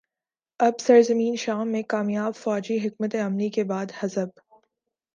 اب سرزمین شام میں کامیاب فوجی حکمت عملی کے بعد حزب